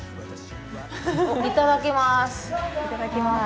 いただきます。